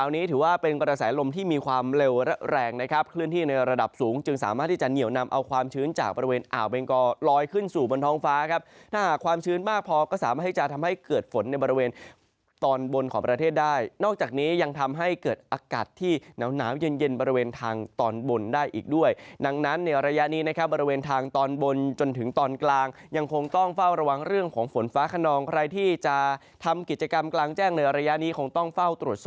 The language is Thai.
นี่ถือว่าเป็นกระแสลมที่มีความเร็วและแรงนะครับคลื่นที่ในระดับสูงจึงสามารถที่จะเหนียวนำเอาความชื้นจากบริเวณอ่าวเป็นกอลอยขึ้นสู่บนท้องฟ้าครับถ้าหากความชื้นมากพอก็สามารถให้จะทำให้เกิดฝนในบริเวณตอนบนของประเทศได้นอกจากนี้ยังทำให้เกิดอากาศที่หนาวหนาวเย็นเย็นบริเ